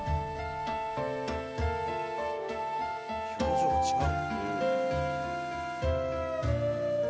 表情が違う。